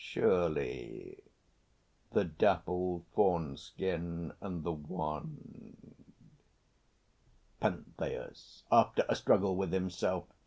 Surely; the dappled fawn skin and the wand. PENTHEUS (after a struggle with himself).